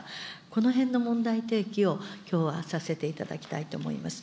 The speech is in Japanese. このへんの問題提起を、きょうはさせていただきたいと思います。